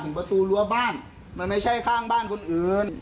คือภูมิทัศน์ในการมองเขียน